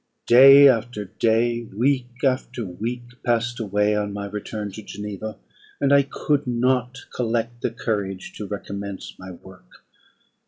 Day after day, week after week, passed away on my return to Geneva; and I could not collect the courage to recommence my work.